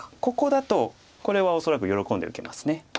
ここだとこれは恐らく喜んで受けます。